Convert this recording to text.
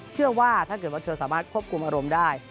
เชื่อว่าถ้าเกิดว่าเธอสามารถควบคุมอารมณ์ได้